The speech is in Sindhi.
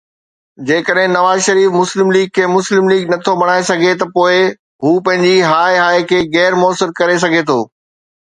جيڪڏهن نواز شريف مسلم ليگ کي مسلم ليگ نه ٿو بڻائي سگهي ته پوءِ هو پنهنجي ”هاءِ هاءِ“ کي غير موثر ڪري سگهي ٿو.